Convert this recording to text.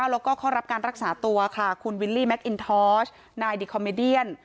แล้วก็เข้ารับการรักษาตัวค่ะคุณวิลลี่แมคอินทอสนายดิคอมเมเดียน